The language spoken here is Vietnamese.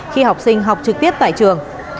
khi học sinh học trực tiếp tại trường